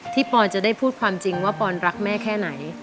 ปอนจะได้พูดความจริงว่าปอนรักแม่แค่ไหน